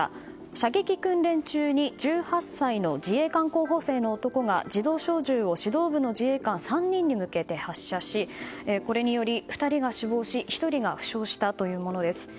射撃訓練中に１８歳の自衛官候補生の男が自動小銃を指導部の自衛官３人に向けて発射しこれにより２人が死亡し１人が負傷したというものです。